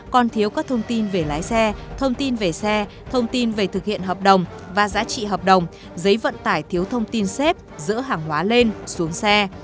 còn thiếu các thông tin về lái xe thông tin về xe thông tin về thực hiện hợp đồng và giá trị hợp đồng giấy vận tải thiếu thông tin xếp giữa hàng hóa lên xuống xe